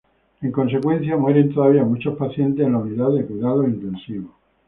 En consecuencia, mueren todavía muchos pacientes en la Unidad de Cuidados Intensivos.